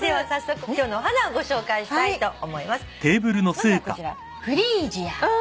まずはこちらフリージア。